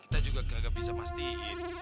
teh juga gagal bisa pastiin